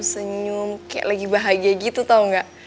senyum kayak lagi bahagia gitu tau gak